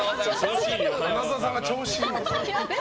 花澤さんが調子いい。